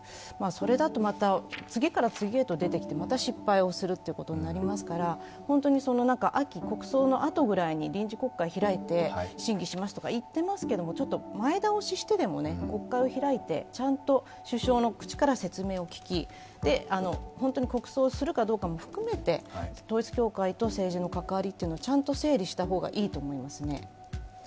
それだと、また次から次へと出てきて、また失敗をすることになりますから本当に秋、国葬のあとぐらいに臨時国会を開いて審議しますとか言ってますけども前倒ししてでも国会を開いてちゃんと首相の口から説明を聞き本当に国葬するかどうかも含めて統一教会と政治の関わりをちゃんと整理したほうがいいと思いますね。